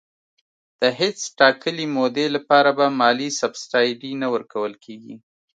د هیڅ ټاکلي مودې لپاره به مالي سبسایډي نه ورکول کېږي.